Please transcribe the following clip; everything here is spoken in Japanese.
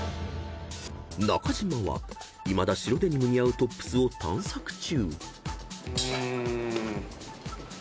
［中島はいまだ白デニムに合うトップスを探索中］